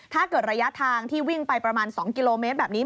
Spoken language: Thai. ระยะทางที่วิ่งไปประมาณ๒กิโลเมตรแบบนี้